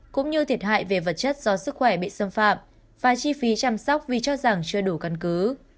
cũng như thiệt hại về vật chất do sức khỏe bị xâm phạm và chi phí chăm sóc vì cho rằng chưa đủ căn cứ